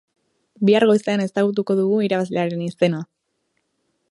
Bihar goizean ezagutuko dugu irabazlearen izena!